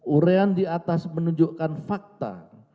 urean di atas menunjukkan fakta